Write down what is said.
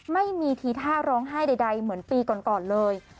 ไม่มีทีท่าร้องไห้ใดเหมือนปีก่อนเลย